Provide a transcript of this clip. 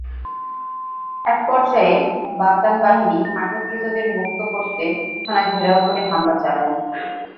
একপর্যায়ে বাতান বাহিনী আটককৃতদের মুক্ত করতে থানা ঘেরাও করে হামলা চালায়।